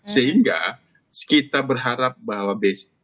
sehingga kita berharap bahwa apa yang terjadi ini akan berhasil